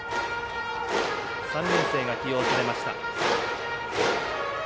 ３年生が起用されました。